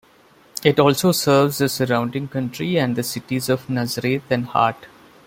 It also serves the surrounding county and the cities of Nazareth and Hart.